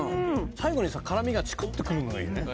最後にさ辛みがチクっとくるのがいいね